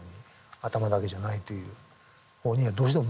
頭だけじゃないというほうにはどうしても向かうね。